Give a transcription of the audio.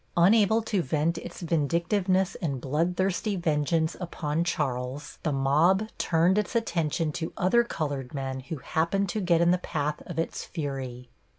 Unable to vent its vindictiveness and bloodthirsty vengeance upon Charles, the mob turned its attention to other colored men who happened to get in the path of its fury.